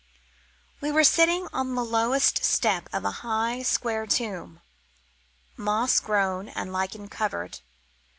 We were sitting on the lowest step of a high, square tomb, moss grown and lichen covered.